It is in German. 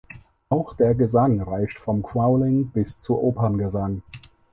Auch der Gesang reicht vom Growling bis zu Operngesang.